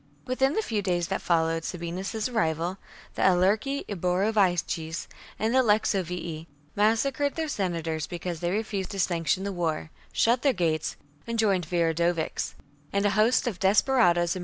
Within the few days that followed Sabinus's arrival, the Aulerci Eburovices and the Lexovii massacred their senators because they refused to sanction the war, shut their gates, and joined Ill THE MARITIME TRIBES 89 Viridovix ; and a host of desperadoes and 56 b.